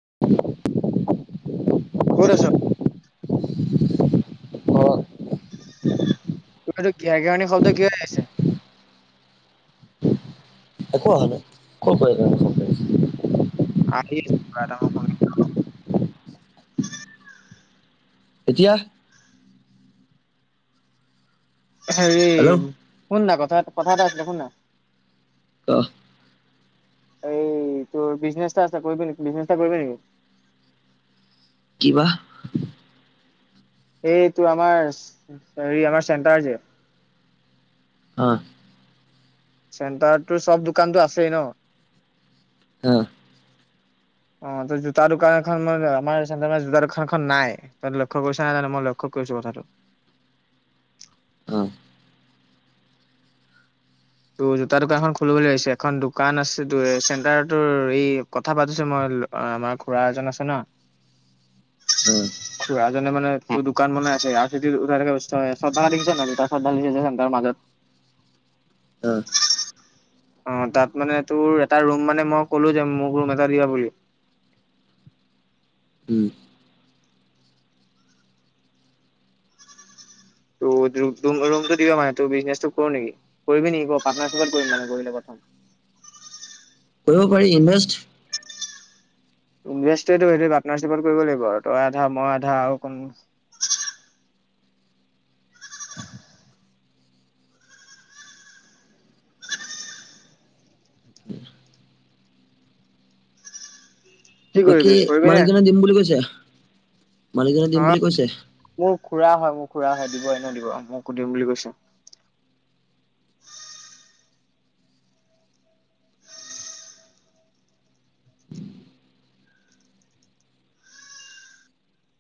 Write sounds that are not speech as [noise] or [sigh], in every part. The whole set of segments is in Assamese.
[unintelligible] কত আছ অ [unintelligible] কিয়া কিয়নি শব্দ কিয় আহিছে একো আহা নাই কত কিয়া কিয়নি শব্দ আহিছে আহি আছে কিবা এটা মই শুনি এতিয়া হেৰি হেল্ল' শুন না কথা কথা এটা আছিলে শুন না। কহ। এই তোৰ বিজনেচ এটা আছে কৰিবি নেকি? বিজনেচ এটা কৰিবি নেকি? কি বা? এইটো আমাৰ হেৰি আমাৰ চেণ্টাৰ যে অঁ। চেণ্টাৰটো চব দোকানতো আছেই ন অহ। অ ত জোতা দোকান এখন মানে আমাৰ চেণ্টাৰ মানে জোতা দোকানখন নাই, তই লক্ষ্য কৰিছ নাই জানো? মই লক্ষ্য কৰিছো কথাটো। অঁ। তোৰ জোতা দোকানখন খুলি বুলি ভাবিছোঁ, এখন দোকান আছে তোৰ চেণ্টাৰটোৰ, এই কথা পতিছো মই আমাৰ খুৰা এজন আছে ন। উম। খুৰা জনে মানে দোকান বনাই আছে আৰু খেতি উঠাই থকা অৱস্থা হয় আছে [unintelligible] যাম তাৰ মাজত। অ অ তাত মানে তোৰ এটা ৰুম মানে মই ক'লো যে মোক ৰুম এটা দিয়া বুলি। উম ত ৰুমটো দিব মানে ত বিজনেচটো কৰোঁ নেকি? কৰিবি নেকি ক পাৰ্টনাৰশ্বিপত কৰিম মানে কৰিলে প্ৰথম। কৰিব পাৰি ইণ্ভেষ্ট ইনভেষ্ট টো সেইটো পাৰ্টনাৰশ্বিপত কৰিব লাগিব তই আধা মই আধা আৰু কোন [unintelligible] কি কৰিবি বাকী কৰিবি নে? মালিকজনে দিম বুলি কৈছে? মালিকজনে দিম বুলি অ' কৈছে মোৰ খুৰা হয় মোৰ খুৰা হয় দিব এনেও দিব মোকো দিম বুলি কৈছে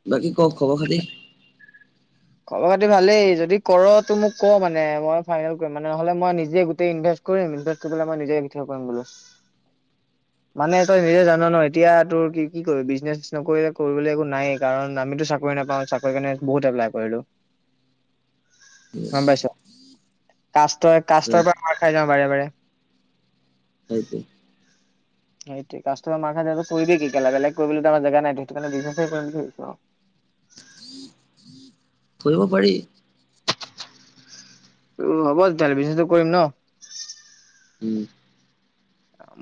বাকি ক খবখাতি খব খাতি ভালেই যদি কৰ ত মোক ক মানে মই ফাইনেল কৰিম মানে নহলে মই নিজে গোটেই ইনভেচ কৰিমনভ মই নি কৰিম বলো মানে তই নিজে জান ন এতিয়া তোৰ কি কি বিজনেছ নকৰিলে কৰিবলৈ একো নাই কাৰণ আমিটো চাকৰি নাপাও চাকৰিকাৰনে বহুত এপলাই কৰিলো গম পাইছ কাছ কাষ্টৰ পৰা মাৰ খাই যাম বাৰে বাৰে সেইটোৱে সেইট কাষ্টমাৰ মাৰ কৰিবি কি কেলা বলেগ কৰিবলৈ আমাৰ জেগা নাই সেইটো কাৰণে বিছো কৰিব পাৰি উমহ'ব তেতিয়াহ'লে পিছতো কৰিম ন উম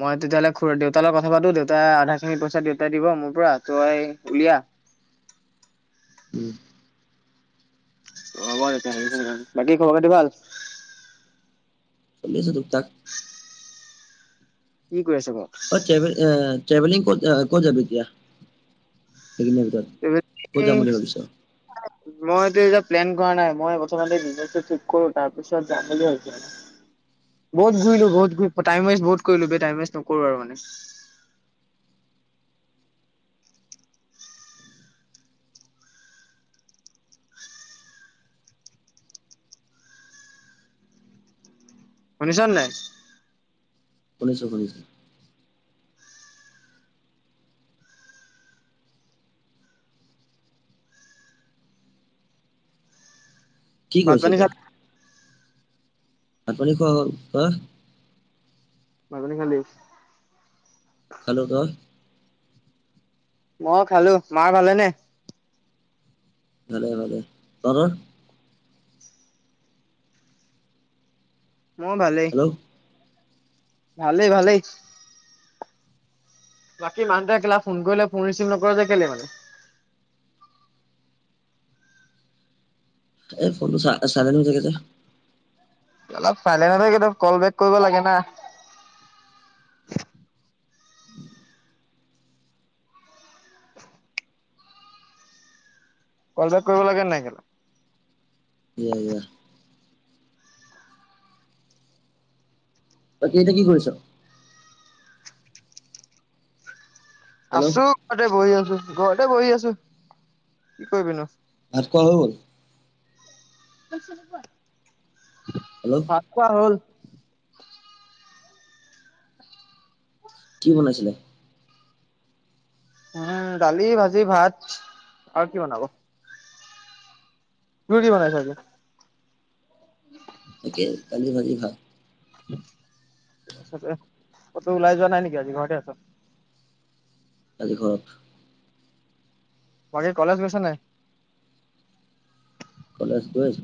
মই তেতিয়াহ'লে দেউতাৰ লগত কথা পাতো দেউতাই আধা খিনি পইচা দেউতাই দিব মোৰ পৰা তইউলিয়া উম হব তেতিয়া হলে বাকী খবৰ খাতি ভাল থিক থাক কি কৰি আছ [unintelligible] ট্ৰেভেলিং ক'ত ক'ত যাব এতিয়া? এইকেইদিনৰ ভিতৰত ক'ত যাম বুলি ভাবিছ মইত এটা প্লেন কৰা নাই মই প্ৰথমতে নিজকে ঠিক কৰো তাৰ পিছত যাম বুলি ভাবিছো মানে বহুত ঘূৰিলো বহুত টাইম ৱেষ্ট বহুত কৰিলো বে টাইম ৱেষ্ট নকৰো আৰু মানে শুনিছনে নাই? শুনিছো শুনিছো কি ভাত কৈৰিছ পানী এতিয়া? খাল ভাত-পানী খোৱা হ'ল, তই? ভাত পানী খালি? খালোঁ। তই? মই খালোঁ, মাৰ ভালেনে? ভালে, ভালে। তহঁতৰ? মোৰ ভালেই। হেল্ল' ভালেই, ভালেই। বাকী মা দেউতাই [unintelligible] ফোন কৰিলে ফোন ৰিচিভ নকৰ যে কেলে মানে এই ফনটো চা চাইৰলেন হৈ থাকে যে। [unintelligible] চাইলেণ্ট হৈ থাকে তই কল বেক কৰিব লাগে না। কল বেক কৰিব লাগে নাই [unintelligible] দিয়া ইয়াৰ। বাকি এতিয়া কি কৰিছোঁ? হেল্ল' আছোঁ, ঘৰতে বহি আছোঁ। ঘৰতে বহি আছোঁ, কি কৰিবিনো। ভাত খোৱা হ'ল। ভাত চাত খোৱা। হেল্ল' ভাত খোৱা হ'ল। কি বনাইছিলে? উম, দালি, ভাজি, ভাত আৰু কি বনাব। তোৰ কি বনাইছ এতিয়া? একে দালি ভাজি ভাত। ক'তো ওলাই যোৱা নাই নেকি আজি ঘৰতে আছ? আজি ঘৰত। বাকী কলেজ গৈছা নাই? কলেজ গৈ আছো।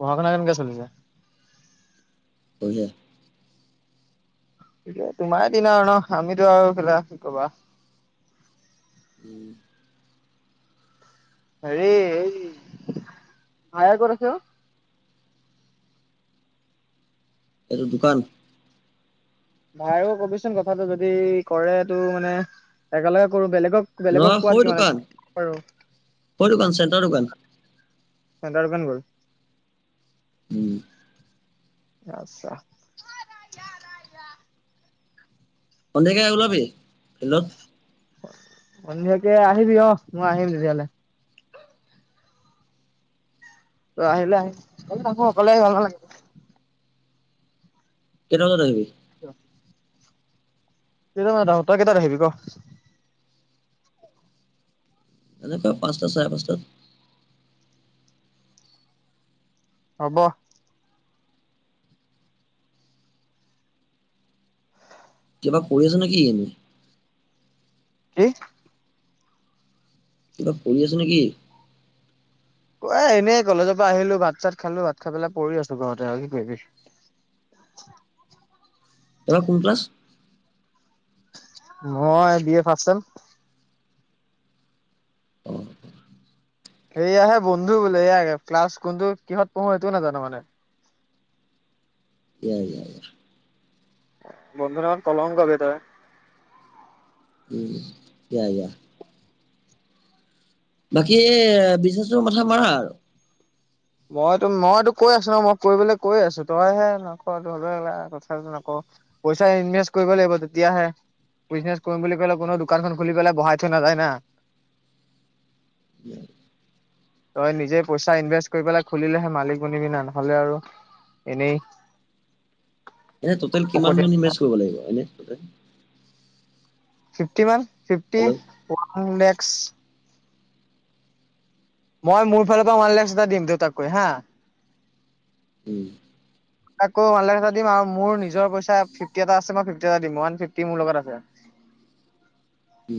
পঢ়া শুনা কেনেকুৱা চলিছে। বঢ়িয়া। ঠিকে তোমাৰ দিন আৰু ন', আমিতো আৰু [unintelligible] কি ক'বা। উম! হেৰি এই, ভায়ে ক'ত আছে অ'? এইটো দোকান। ভাইৰো কবিচোন কথাটো যদি, কৰে টো মানে একেলগে কৰোঁ বেলেগ বেলে। নহয় সৰু দোকান, সৰু দোকান চেণ্টাৰ দোকান। চেন্টাৰ দোকান গ'ল। উম! আচ্ছা! ঐ ৰাজা ৰাজা ৰাজা। সন্ধিয়াকে ওলাবি ফিল্ডত? সন্ধিয়াকে আহিবি, অ'হ মই আহি তেতিয়াহ'লে। তই আহিলে আহিম, অকলে নাহোঁ অকলে আহি ভাল নালাগে। কেইটা বজাত আহিবি? কিয়। [unintelligible] এনেকুৱা, পাঁচটা চাৰে পাঁচটাত। হ'ব। কিবা কৰি আছ নেকি এনে? কি? কিবা কৰি আছ নেকি? অ' এনেই কলেজৰ পৰা আহিলো, ভাত চাত খালো, ভাত খাই পেলাই পৰি আছো ঘৰতে আৰু কি কৰিবি। তই কোন ক্লাছ? মই বি এ ফাৰ্ষ্টচেম। অ সেয়া হে বন্ধু বোলে, এয়া ক্লাছ কোনটো, কিহত পঢ়ো সেইটোও নাজানো মানে। ইয়া! ইয়া! ইয়া! বন্ধু নামত কলংক বে তই। উম, ইয়া! ইয়াৰ! বাকী বিজনেছৰ মাথা মাৰা আৰু মইতো, মইতো কৈ আছো ন, মইতো কৰিবলে কৈ আছো। তইহে নকৰ। পইচা ইনভেষ্ট কৰিব লাগিব তেতিয়াহে বিজনেছ কৰিম বুলি ক'লে কোনো দোকান এখন বহাই থৈ নাযায় না। তই নিজে পইচা ইনভেষ্ট কৰি পেলাই খুলিলেহে মালিক বনিবি না। নহ'লে আৰু এনেই এ টুতেল', কিমান ফকতে মান ইমেছ কৰিব লাগিব এনে [unintelligible] fifty one. Fifty hello one [unintelligible] [unintelligible] মই মোৰ ফালৰ পৰা, ওৱান লেজ এটা দিম। দুটাকৈ হা। উম! আকৌ ওৱান লাখ এটা দিম আৰু মোৰ নিজৰ পইচা ফিফ্টি এটা আছে, মই ফিফ্টি এটা দিম। ওৱান ফিফ্টি মোৰ লগত আছে। উম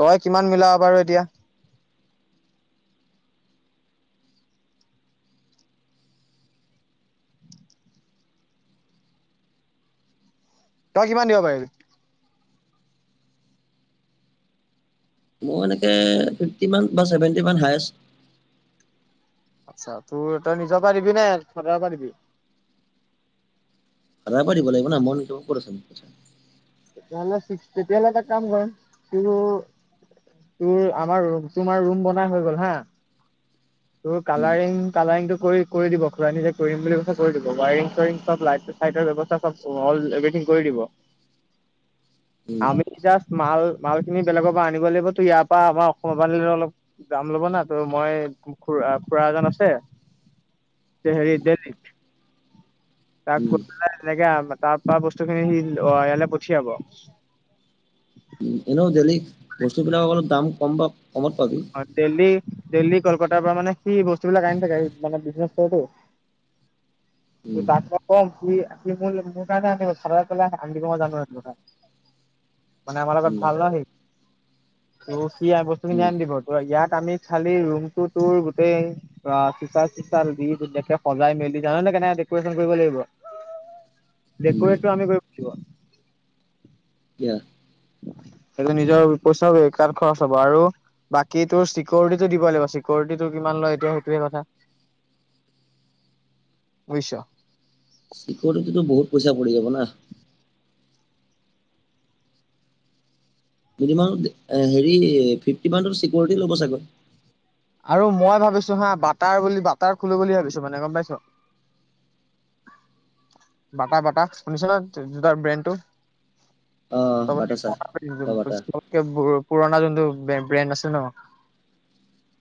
তই কিমান মিলাও বাৰু এতিয়া তই কিমান দিব পাৰিবি? মোৰ এনেকে, ফিফ্টি মান বা ছেভেন্টি মান হায়েষ্ট। আচ্ছা তোৰ তই নিজৰ পা দিবি নে ফাডাৰ পা দিবি ফাডাৰ পা লাগিব ন মোৰ নিজৰ কত আছে পইচা তেতিয়াহলে ফিক্স তেতিয়াহলে এটা কাম কৰ তোৰ তোৰ আমাৰ তোমাৰ ৰুম বনা হৈ গল হা তোৰ উম কালাৰিং কালাৰিং টো কৰি কৰি দিব খুৰা নিজে কৰিম বুলি কৈছে কৰি দিব ৱাইৰিং চুৱাৰিং চব লাইট চাইটৰ ব্যৱস্থা চব অল এভথিং কৰি দিব উম আমি জাষ্ট মাল মাল খিনি বেলেগৰ পৰা আনিব লাগিব তো ইয়াৰ পৰা আমাৰ অসমৰ পৰা আনিলেটো অলপ দাম ল'ব না ত মই খুৰা খুৰা এজন আছে হেৰি দেল্লিত তাক উম কৈ পেলাই এনেকে তাৰ পৰা বস্তুখিনি সি ইয়ালে পঠিয়াব এনেও দেল্লিত বস্তুবিলাকৰ অলপ দাম কম বা কমত পাবি অ দেল্লী দেল্লী কলকাতাৰ পৰা মানে সি বস্তুবিলাক আনি থাকে মানে বিজনেছ হয়টো উম তাক মই কম সি মোৰ, মোৰ কাৰণে আনি দিব, চাদৰ পালে আনিব দিব মই জানো সেইটো কথা, মানে আমাৰ লগত উম ভাল ন সি, ত সি বস্তুখিনি উম আনি দিব। ইয়াত আমি খালি ৰুমটো তোৰ গোটেই, আ ট্ৰিপাল চিপাল দি ধুনীয়াকে সজাই মেলি জান নহয় কেনেকে ডেকৰেচন কৰিব লাগিব, উম ডেকুৰেত আমি কৰিব লাগিব। এতিয়া সেইটো নিজৰ পইচা কাৰণ খৰচ হব আৰু বাকী তোৰ চিকিউৰিটিটো দিব লাগিব, চিকিৰিটিটো কিমান লয় এতিয়া সেইটোহে কথা, বুজিছ। চিকিউৰিটিটো বহুত পইচা পৰি যাব না। মিনিমাম হেৰি, ফিফটি মান ত চিকিৰিটি ল'ব চাগৈ। আৰু মই ভাবিছো হা বাটাৰ বুলি বাটাৰ খুলো বুলি ভাবিছো মানে গম পাইছ, বাটা বাটা শুনিছা নহয় জোতাৰ ব্ৰেণ্ডটো। অ বাটা চা বা বাটা পুৰণা যোনটো বেণ্ড। ব্ৰেণ্ড আছে ন।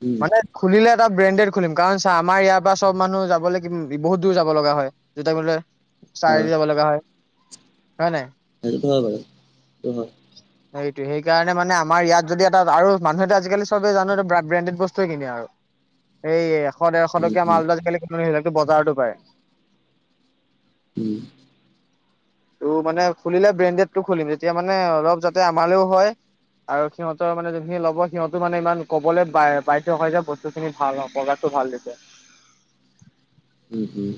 উম মানে খুলিলে এটা। ব্ৰেডেড খুলিম, কাৰণ চা আমাৰ ইয়াৰ পা চব মানুহ যাবলে বহুত দূৰ যাব লগা হয়, জোতা কিনিবলে। চাইৰি যাব লগা হয়। হয় নাই সেইটো বাৰু, সেইটো হয়। সেইটোয়ে, সেইকাৰণে মানে আমাৰ এইয়া যদি এটা আৰু মানুহেতো আজিকালি চবে জানে ব্লাড ব্ৰেণ্ডেড। বস্তুয়ে কিনে আৰু এই এশ ডেৰশ উম টকীয়া উম মালটো আজিকালি কোনো বজাৰটো পায়। উম। তোৰ মানে খুলিলে ব্ৰেণ্ডেডটো খুলিম, তেতিয়া মানে অলপ যাতে আমালেও হয়, আৰু সিহঁতৰ মানে যোনখিনি ল'ব সিহঁতো মানে ইমান কবলে বা বাধ্য হয় যে বস্তুখিনি ভাল প্ৰডাক্টটো ভাল দিছে। উম উম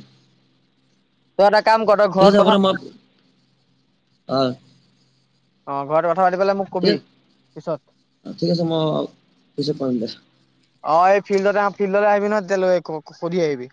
তই তাক কাম কৰ, তই ঠিক ঘৰত আছে হ'ব কথা দে মই অ অ ঘৰত গুৱাহাটী গলে মোক ঠিক কবি পিছত, ঠিক আছে মই পিছত কৰিম দে অ এহ ফিল্ডত আহ, ফি [unintelligible] আহিবি ন তেতিয়া লৈ ক ক সুধি আহিবি।